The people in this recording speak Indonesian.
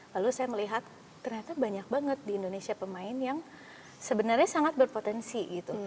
lalu saya melihat ternyata banyak banget di indonesia pemain yang sebenarnya sangat berpotensi gitu